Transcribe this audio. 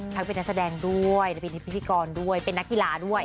ทั้งเป็นนักแสดงด้วยและเป็นพิธีกรด้วยเป็นนักกีฬาด้วย